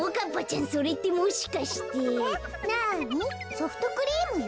ソフトクリームよ。